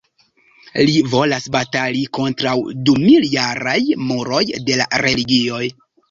Li volas batali kontraŭ dumiljaraj muroj de la religioj.